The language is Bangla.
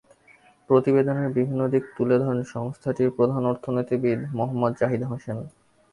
প্রতিবেদনের বিভিন্ন দিক তুলে ধরেন সংস্থাটির প্রধান অর্থনীতিবিদ মোহাম্মদ জাহিদ হোসেন।